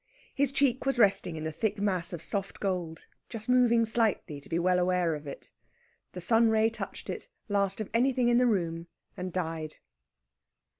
His cheek was resting in the thick mass of soft gold, just moving slightly to be well aware of it. The sun ray touched it, last of anything in the room, and died....